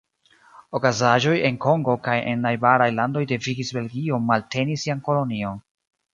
Okazaĵoj en Kongo kaj en najbaraj landoj devigis Belgion malteni sian kolonion.